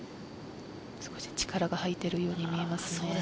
少し力が入っているように見えますね。